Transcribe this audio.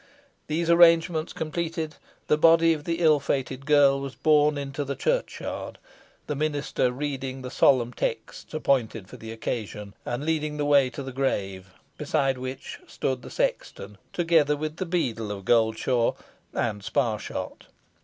These arrangements completed, the body of the ill fated girl was borne into the churchyard, the minister reading the solemn texts appointed for the occasion, and leading the way to the grave, beside which stood the sexton, together with the beadle of Goldshaw and Sparshot.